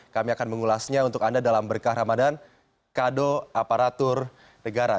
kami akan mengulasnya untuk anda dalam berkah ramadan kado aparatur negara